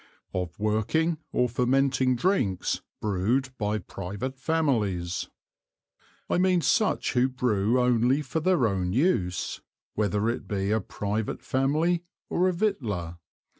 Of working or fermenting Drinks brewed by Private Families. I mean such who Brew only for their own use, whether it be a private Family or a Victualler.